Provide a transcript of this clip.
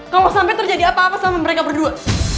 kalo sampe terjadi apa apa sama mereka berdua